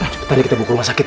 cepet aja kita buka rumah sakit